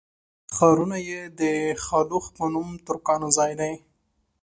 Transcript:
ښارونه یې د خلُخ په نوم ترکانو ځای دی.